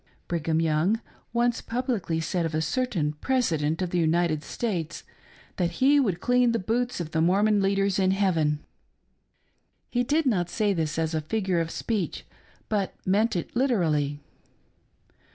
Brigham Young once publicly said of a certain President of the United States, that he would clean the boots of the Mormon leaders in heaven He did not say this as a figure of speech, but meant it liter 258 EXTKAORDINARY WAY OF PREPAKING FOR A BRIDE. ally.